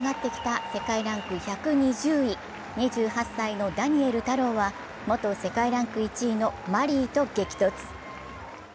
予選から勝ち上がってきた世界ランク１２０位、２８歳のダニエル太郎は元世界ランク１位のマリーと激突。